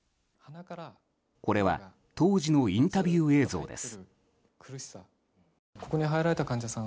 これは当時のインタビュー映像です。